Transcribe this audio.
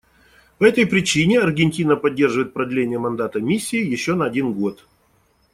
По этой причине Аргентина поддерживает продление мандата Миссии еще на один год.